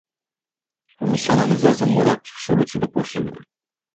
Comisia analizează în mod activ soluțiile posibile.